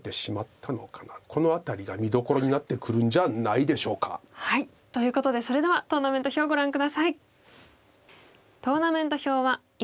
この辺りが見どころになってくるんじゃないでしょうか！ということでそれではトーナメント表をご覧下さい。